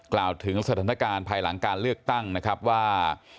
กล่าวถึงสถานการณ์ภายหลังการเลือกตั้งนะครับว่า